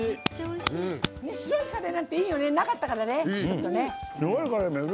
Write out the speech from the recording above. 白いカレーなんていいよねなかったからね、ちょっとね。